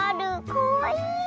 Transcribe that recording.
かわいい！